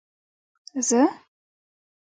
زه